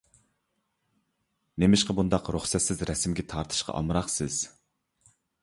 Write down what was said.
نېمىشقا بۇنداق رۇخسەتسىز رەسىمگە تارتىشقا ئامراقسىز؟